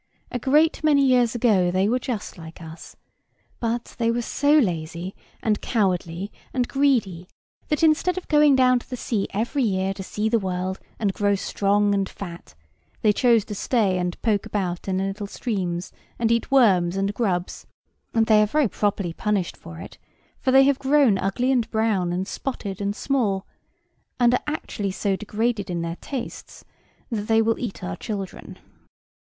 A great many years ago they were just like us: but they were so lazy, and cowardly, and greedy, that instead of going down to the sea every year to see the world and grow strong and fat, they chose to stay and poke about in the little streams and eat worms and grubs; and they are very properly punished for it; for they have grown ugly and brown and spotted and small; and are actually so degraded in their tastes, that they will eat our children."